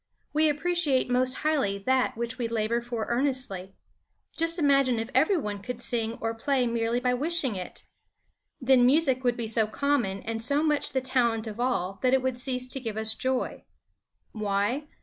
We appreciate most highly that which we labor for earnestly. Just imagine if every one could sing or play merely by wishing it! Then music would be so common and so much the talent of all that it would cease to give us joy. Why?